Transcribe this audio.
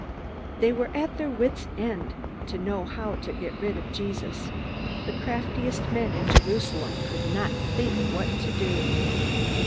They were at their wits' end to know how to get rid of Jesus. The craftiest men in Jerusalem could not think what to do.